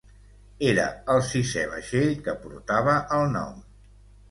Era el sisè vaixell que portava el nom.